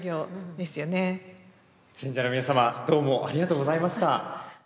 選者の皆様どうもありがとうございました。